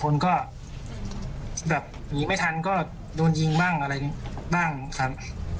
คนก็แบบหนีไม่ทันก็โดนยิงบ้างอะไรบ้างครับ